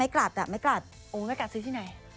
อยากซื้อที่ไหน